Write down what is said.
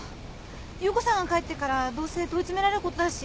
優子さんが帰ってからどうせ問い詰められることだし。